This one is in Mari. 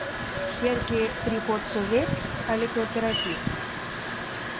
Черке приход совет але кооператив?